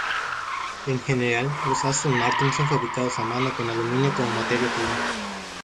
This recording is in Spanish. En general los Aston Martin son fabricados a mano con aluminio como materia prima.